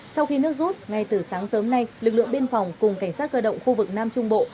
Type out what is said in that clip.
sau khi nước rút ngay từ sáng sớm nay lực lượng biên phòng cùng cảnh sát cơ động khu vực nam trung bộ